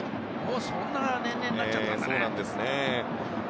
そんな年齢になっちゃったんですね。